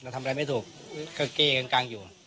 ทำอะไรไม่ถูกก็เก้กลางอยู่